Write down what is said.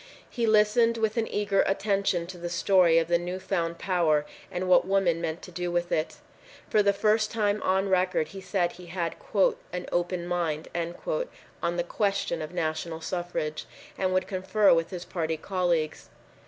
He listened with an eager attention to the story of the new found power and what women meant to do with it. For the first time on record, he said he had "an open mind" on the question of national suffrage, and would confer with his party colleagues.